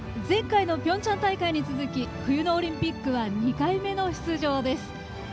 前回のピョンチャン大会に続き冬のオリンピックは２回目の出場です。